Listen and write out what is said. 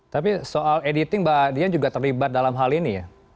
tapi soal editing mbak dian juga terlibat dalam hal ini ya